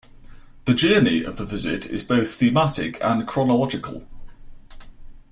The journey of the visit is both thematic and chronological.